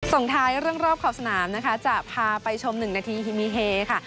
ส่งท้ายเรื่องรอบขอบสนามนะคะจะพาไปชม๑นาทีฮิมีเฮค่ะ